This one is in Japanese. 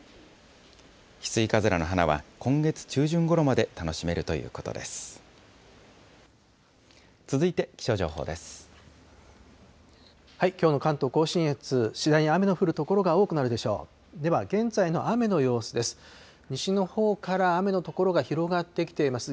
ヒスイカズラの花は、今月中旬ごろまで楽しめるということです。